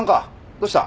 どうした？